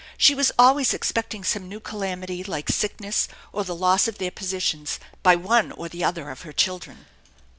She was always expecting some new calamity like sickness, or the loss of their positions by one or the other of her children.